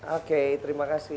oke terima kasih